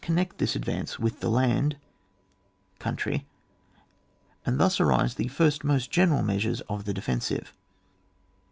85 oonneot this advance with the land (ooiin tiy) ; and thus arise the first most gene ral measures of the defensiye.